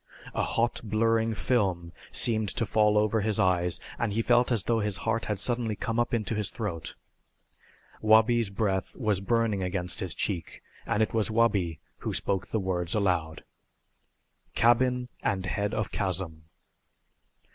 A hot blurring film seemed to fall over his eyes and he felt as though his heart had suddenly come up into his throat. Wabi's breath was burning against his cheek, and it was Wabi who spoke the words aloud. "Cabin and head of chasm."